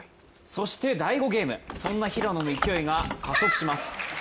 そして第５ゲーム、そんな平野の勢いが加速します。